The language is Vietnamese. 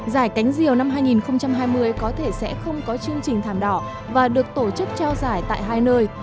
giải cánh diều năm hai nghìn hai mươi có thể sẽ không có chương trình thảm đỏ và được tổ chức trao giải tại hai nơi